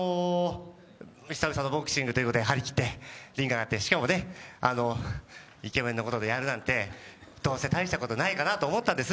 久々のボクシングということで張り切ってリングに上がってしかも、イケメンが相手なんでどうせ大したことないかなと思ったんです。